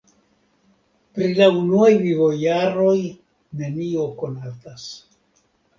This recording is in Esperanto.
Pri la unuaj vivojaroj nenio konatas.